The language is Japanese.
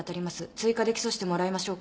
追加で起訴してもらいましょうか。